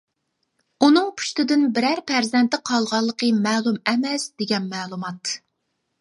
ئۇنىڭ پۇشتىدىن بىرەر پەرزەنتى قالغانلىقى مەلۇم ئەمەس، دېگەن مەلۇمات.